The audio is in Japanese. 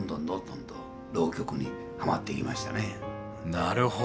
なるほど。